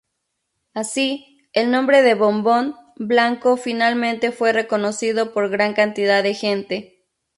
Así, el nombre de Bon-Bon Blanco finalmente fue reconocido por gran cantidad de gente.